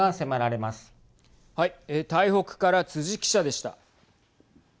台北から逵記者でした。